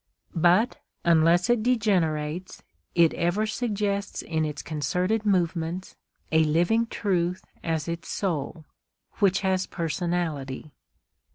But, unless it degenerates, it ever suggests in its concerted movements a living truth as its soul, which has personality.